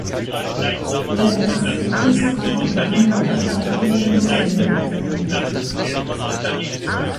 Während des Krieges brachten ihn Hamburger Schauspieler mit dem Film in Verbindung.